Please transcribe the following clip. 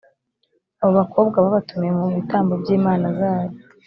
abo bakobwa babatumiye mu bitambo by’imana zabo.